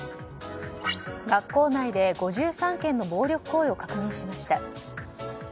学校内で、５３件の暴力行為を確認しました。